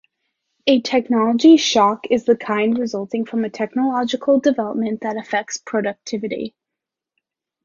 A technology shock is the kind resulting from a technological development that affects productivity.